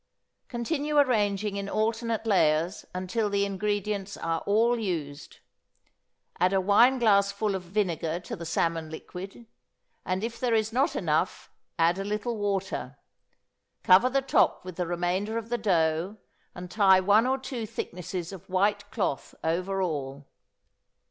Continue arranging in alternate layers until the ingredients are all used; add a wineglassful of vinegar to the salmon liquid, and if there is not enough add a little water; cover the top with the remainder of the dough, and tie one or two thicknesses of white cloth over all.